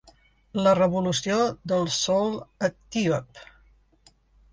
La revolució del soul etíop.